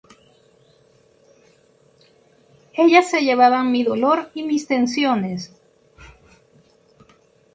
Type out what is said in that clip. Ellas se llevaban mi dolor y mis tensiones".